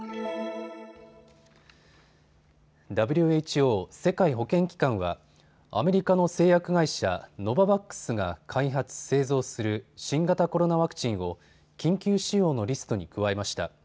ＷＨＯ・世界保健機関はアメリカの製薬会社、ノババックスが開発、製造する新型コロナワクチンを緊急使用のリストに加えました。